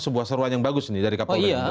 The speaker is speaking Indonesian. sebuah seruan yang bagus nih dari kapolri